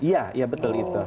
iya iya betul itu